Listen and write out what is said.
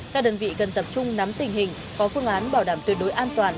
các đơn vị cần tập trung nắm tình hình có phương án bảo đảm tuyệt đối an toàn